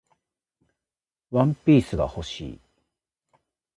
ワンピースが欲しい